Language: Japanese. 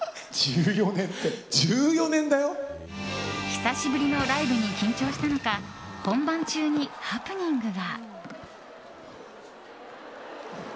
久しぶりのライブに緊張したのか本番中にハプニングが。